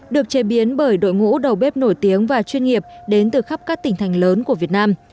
được chế biến bởi đội ngũ đầu bếp nổi tiếng và chuyên nghiệp đến từ khắp các tỉnh thành lớn của việt nam